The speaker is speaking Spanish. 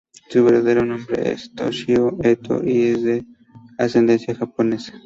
Su verdadero nombre es Toshio Eto, y es de ascendencia japonesa.